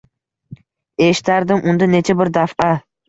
Eshitardim unda necha bir daf’a